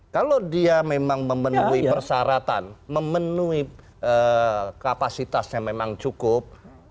kalau dia memang memenuhi persyaratan memenuhi kapasitasnya memang cukup